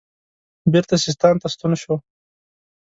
بیرته سیستان ته ستون شو.